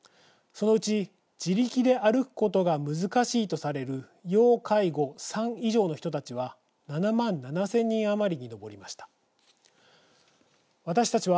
そのうち自力で歩くことが難しいとされる要介護３以上の人たちは７万７０００人余りに上りました。